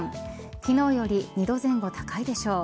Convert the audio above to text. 昨日より２度前後高いでしょう。